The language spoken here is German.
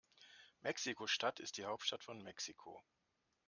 Mexiko-Stadt ist die Hauptstadt von Mexiko.